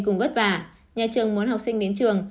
cùng vất vả nhà trường muốn học sinh đến trường